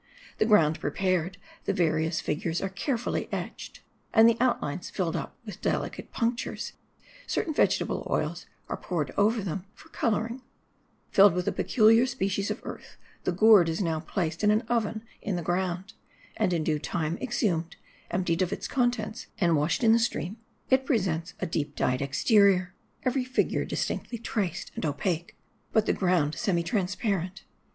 The ground prepared, the various figures are carefully etched. And the outlines filled up with delicate punctures, certain vegetable oils are poured over them, for coloring. Filled with a peculiar species of earth, the gourd is now placed in an oven in the ground. And in due time exhumed, emptied of its contents, and washed in the stream, it presents a deep dyed exterior ; every figure MARDI. 213 distinctly traced and opaque, but the ground semi transparent.